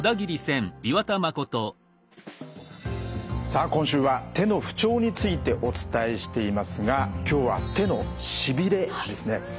さあ今週は手の不調についてお伝えしていますが今日は手のしびれですね。